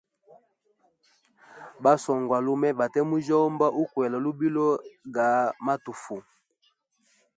Ba swongwalume bate mujyomba ukwela lubilo ga matufu.